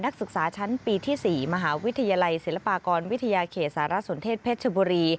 นักศึกษาชั้นปีที่๔มหาวิทยาลัยศิลปากรวิทยาเขตสารสนเทศเพชรชบุรี